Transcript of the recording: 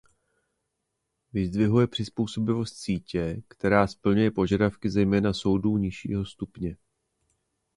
Vyzdvihuje přizpůsobivost sítě, která splňuje požadavky zejména soudů nižšího stupně.